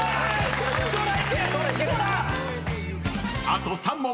［あと３問］